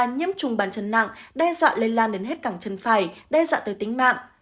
nhiễm trùng bàn chân nặng đe dọa lây lan đến hết cả chân phải đe dọa tới tính mạng